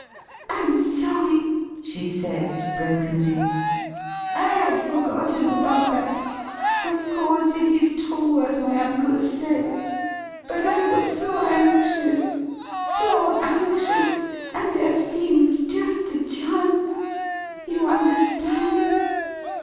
"I'm sorry," she said brokenly; "I had forgotten about that. Of course, it is true, as my uncle said. But I was so anxious so anxious! And there seemed just a chance. You understand?"